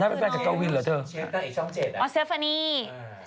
น้องผู้หญิงข้างเกาวินเหรอเธอน้องเชฟนี่อ๋อเชฟนี่ไปด้วยนะครับ